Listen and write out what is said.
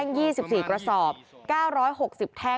นำ